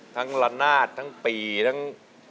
ทั้งลั๊นาททั้งปีทั้ง